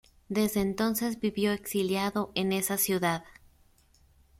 Desde entonces vivió exiliado en esa ciudad.